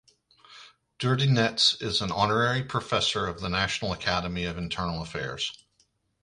Durdynets is an honorary professor of the National Academy of Internal Affairs.